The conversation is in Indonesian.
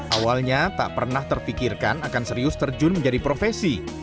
awalnya tak pernah terpikirkan akan serius terjun menjadi profesi